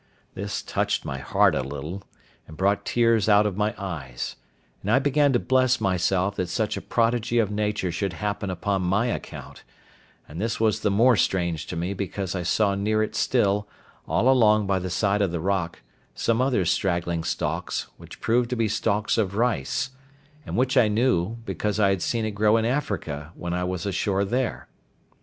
This touched my heart a little, and brought tears out of my eyes, and I began to bless myself that such a prodigy of nature should happen upon my account; and this was the more strange to me, because I saw near it still, all along by the side of the rock, some other straggling stalks, which proved to be stalks of rice, and which I knew, because I had seen it grow in Africa when I was ashore there.